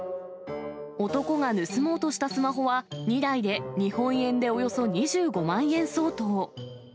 男が盗もうとしたスマホは、２台で日本円でおよそ２５万円相当。